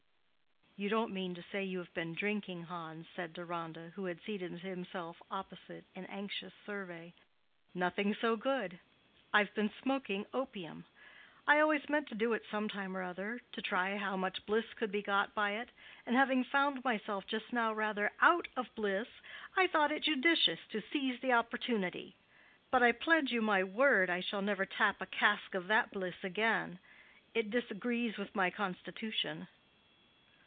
"You don't mean to say you have been drinking, Hans," said Deronda, who had seated himself opposite, in anxious survey. "Nothing so good. I've been smoking opium. I always meant to do it some time or other, to try how much bliss could be got by it; and having found myself just now rather out of other bliss, I thought it judicious to seize the opportunity. But I pledge you my word I shall never tap a cask of that bliss again. It disagrees with my constitution."